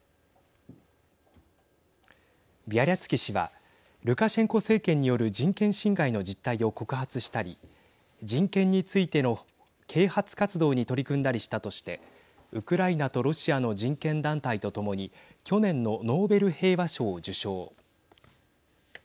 ビャリャツキ氏はルカシェンコ政権による人権侵害の実態を告発したり人権についての啓発活動に取り組んだりしたとしてウクライナとロシアの人権団体と共に去年のノーベル平和賞を受賞。